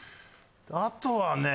あとはね